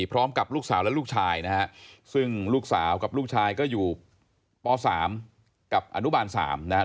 พร้อมกับลูกสาวและลูกชายนะฮะซึ่งลูกสาวกับลูกชายก็อยู่ป๓กับอนุบาล๓นะครับ